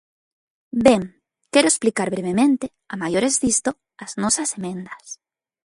Ben, quero explicar brevemente, a maiores disto, as nosas emendas.